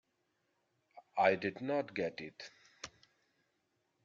I did not get it.